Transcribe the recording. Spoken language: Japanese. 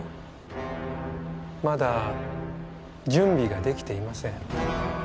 まだ準備ができていません。